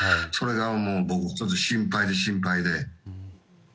それがもう僕は心配で心配で。